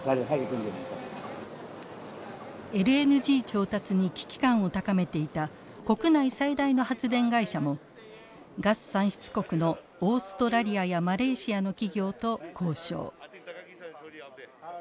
ＬＮＧ調達に危機感を高めていた国内最大の発電会社もガス産出国のオーストラリアやマレーシアの企業と交渉。